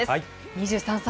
２３歳。